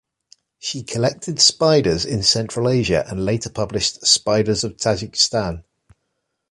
She collected spiders in Central Asia and later published "Spiders of Tajikistan".